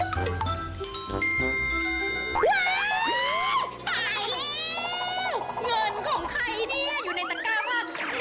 เงินของใครนี่อยู่ในตระกาฟล่ะ